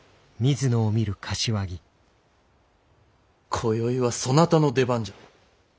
今宵はそなたの出番じゃ。